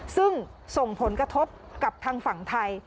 ซึ่งส่งผลกระทบกับทางฝั่งไทย